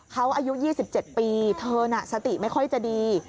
เขาอายุ๒๗ปีเธอน่ะสติไม่ค่อยจะดี